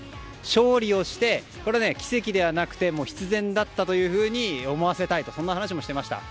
勝利をして奇跡ではなくて必然だったというふうに思わせたいという話もしていました。